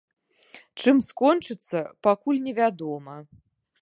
Чым скончыцца, пакуль невядома.